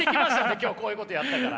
今日こういうことやったから。